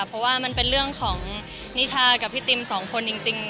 เพราะว่ามันเป็นเรื่องของนิชากับพี่ติมสองคนจริง